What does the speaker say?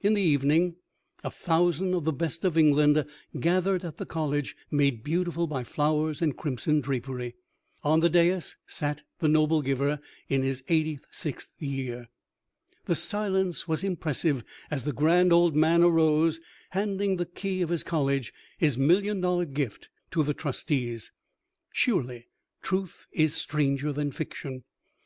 In the evening, a thousand of the best of England gathered at the college, made beautiful by flowers and crimson drapery. On a dais sat the noble giver, in his eighty sixth year. The silence was impressive as the grand old man arose, handing the key of his college, his million dollar gift, to the trustees. Surely truth is stranger than fiction!